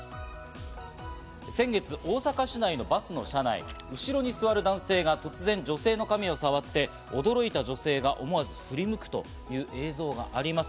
先月、大阪市内のバスの車内、後ろに座る男性が突然、女性の髪を触って驚いた女性が思わず振り向くという映像があります。